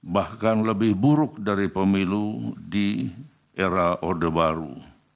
bahkan lebih buruk dari pemilu di era orde baru